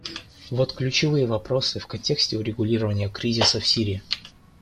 Вот ключевые вопросы в контексте урегулирования кризиса в Сирии.